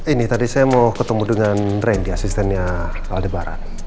ini tadi saya mau ketemu dengan randy asistennya aldebar